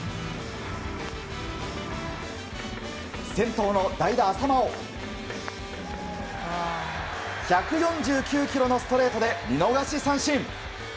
先頭の代打、淺間を１４９キロのストレートで見逃し三振。